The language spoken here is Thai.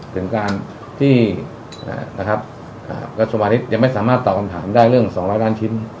ถึงการที่นะครับอ่ากฎศวริตย์ยังไม่สามารถตอบคำถามได้เรื่องสองร้อยล้านชิ้น